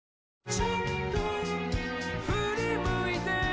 「ちょっとふり向いて」